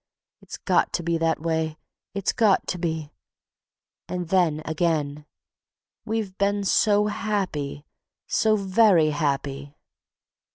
It's got to be that way—it's got to be—" And then again: "We've been so happy, so very happy...."